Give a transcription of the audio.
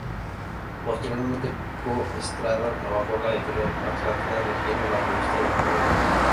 Posteriormente Pico Estrada trabajó en la Editorial Atlántida dirigiendo la revista del mismo nombre.